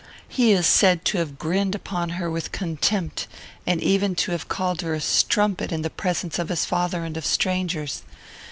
He is said to have grinned upon her with contempt, and even to have called her strumpet in the presence of his father and of strangers.